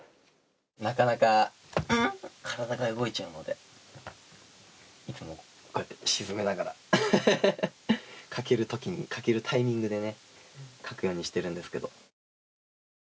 なかなか、体が動いちゃうのでいつもこうやって沈めながら描けるときに描けるタイミングで描くようにしてるんですけど。